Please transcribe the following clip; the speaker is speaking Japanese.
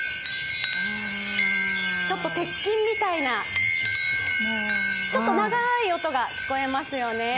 ちょっと鉄琴みたいな、ちょっと長ーい音が聞こえますよね。